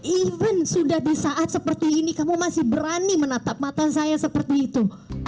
even sudah di saat seperti ini kamu masih berani menatap mata saya seperti itu